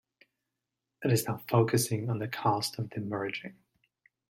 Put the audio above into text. It is now focusing on the cost of demerging.